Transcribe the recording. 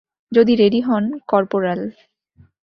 যদি রেডি হন, কর্পোরাল।